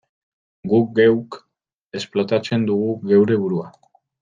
Guk geuk esplotatzen dugu geure burua.